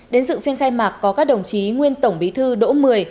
đến dự phiên khai mạc có các đồng chí nguyên tổng bí thư đỗ mười